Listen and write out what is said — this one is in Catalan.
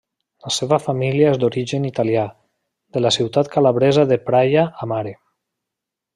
La seva família és d'origen italià, de la ciutat calabresa de Praia a Mare.